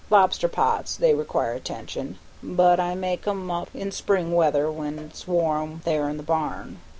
Lobster pots they require attention, but I make 'em up in spring weather when it's warm there in the barn.